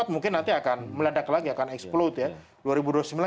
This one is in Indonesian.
dua ribu dua puluh empat mungkin nanti akan meledak lagi akan explode ya